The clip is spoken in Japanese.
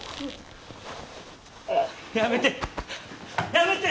やめて。